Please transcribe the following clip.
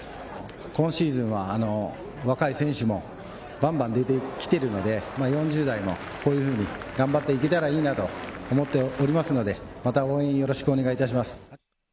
今シーズンは若い選手もバンバン出てきているので、４０代も頑張っていけたらいいなと思っておりますので、また応援よろしくお願いいたします。